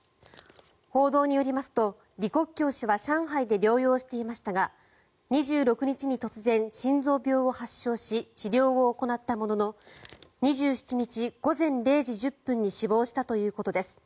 報道によりますと、李克強氏は上海で療養していましたが２６日に突然、心臓病を発症し治療を行ったものの２７日午前０時１０分に死亡したということです。